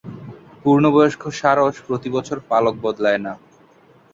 পূর্ণবয়স্ক সারস প্রতিবছর পালক বদলায় না।